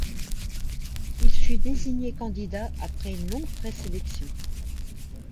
Il fut désigné candidat après une longue pré-sélection.